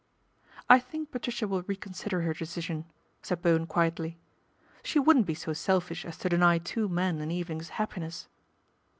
" I think Patricia will reconsider her decision," said Bowen quietly. " She wouldn't be so selfish as to deny two men an evening's happiness."